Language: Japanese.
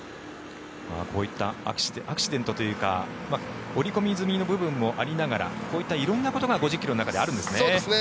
こういったアクシデントというか織り込み済みの部分もありながらこういった色んなことが５０ｋｍの中であるんですね。